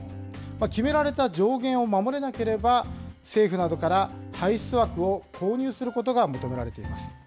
決められた上限を守れなければ、政府などから排出枠を購入することが求められています。